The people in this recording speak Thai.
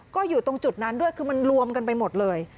ก็อยู่ตรงจุดนั้นด้วยคือมันรวมกันไปหมดเลย